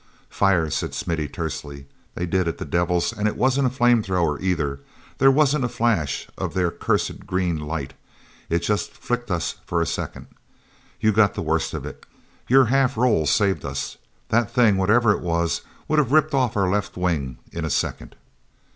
"Fire," said Smithy tersely. "They did it, the devils, and it wasn't a flame thrower, either. There wasn't a flash of their cursed green light. It just flicked us for a second. You got the worst of it. Your half roll saved us. That thing, whatever it was, would have ripped our left wing off in a second."